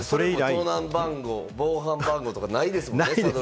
防犯番号とかないですもんね。